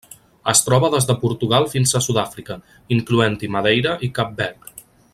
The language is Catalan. Es troba des de Portugal fins a Sud-àfrica, incloent-hi Madeira i Cap Verd.